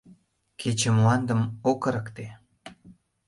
Кече мландым ок ырыкте.